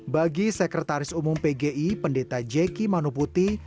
bagi sekretaris umum pgi pendeta jeki manoputi